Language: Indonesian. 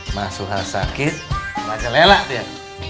masuha sakit macelela dia